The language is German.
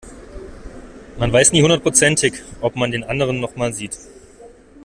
Man weiß nie hundertprozentig, ob man den anderen noch mal sieht.